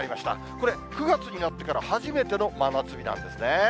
これ、９月になってから初めての真夏日なんですね。